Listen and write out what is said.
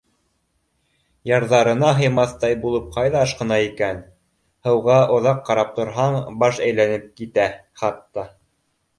Ярҙарына һыймаҫтай булып ҡайҙа ашҡына икән? Һыуға оҙаҡ ҡарап торһаң, баш әйләнеп китә хатта.